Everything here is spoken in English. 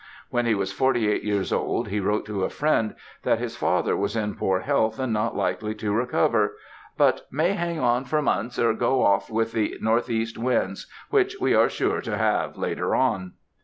When he was forty eight years old he wrote to a friend that his father was in poor health and not likely to recover; "but may hang on for months or go off with the N. E. winds which we are sure to have later on."